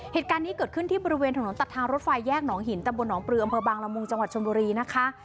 เหตุการณ์นี้เกิดขึ้นที่บริเวณถนนตัดทางรถไฟแยกหนองหินตำบลหนองปลืออำเภอบางละมุงจังหวัดชนบุรีนะคะ